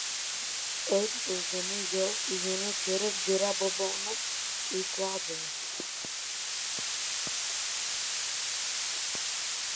El o‘zini, yo, uyini ko‘rib, Jo‘ra boboni esladi.